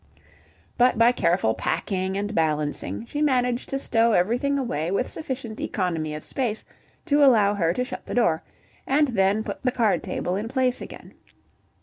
But by careful packing and balancing she managed to stow everything away with sufficient economy of space to allow her to shut the door, and then put the card table in place again.